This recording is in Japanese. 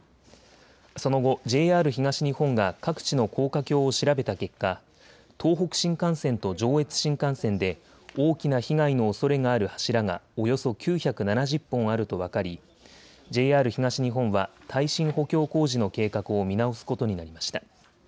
その後ＪＲ東日本が各地の高架橋を調べた結果、東北新幹線と上越新幹線で大きな被害のおそれがある柱がおよそ９７０本あると分かり、ＪＲ東日本は耐震補強工事の計画を見直すことになりました。